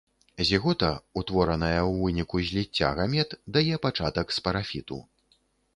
Зігота, утвораная ў выніку зліцця гамет, дае пачатак спарафіту.